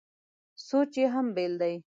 سوچ یې هم بېل دی.